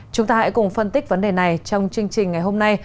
chúng ta hãy cùng phân tích vấn đề này trong chương trình ngày hôm nay